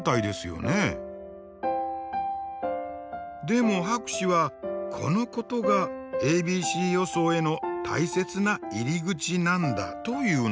でも博士はこのことがａｂｃ予想への大切な入り口なんだというのです。